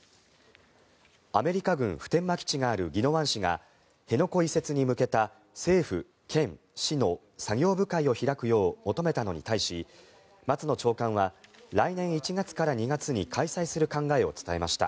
アメリカ軍普天間基地がある宜野湾市が辺野古移設に向けた政府、県、市の作業部会を開くよう求めたのに対し松野長官は来年１月から２月に開催する考えを伝えました。